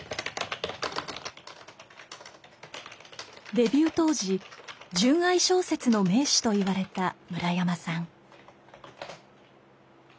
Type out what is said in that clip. デビュー当時純愛小説の名手といわれた村山さん。